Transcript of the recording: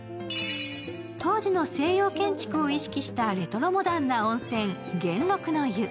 当時の西洋建築を意識したレトロモダンな温泉、元禄の湯。